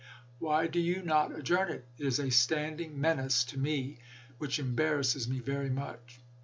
Why do you not adjourn it? It is a standing menace to me which embarrasses me very much."